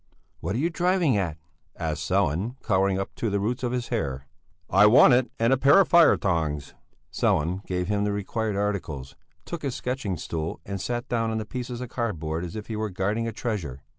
"What are you driving at?" asked Sellén, colouring up to the roots of his hair. "I want it, and a pair of fire tongs." Sellén gave him the required articles, took his sketching stool and sat down on the pieces of cardboard as if he were guarding a treasure.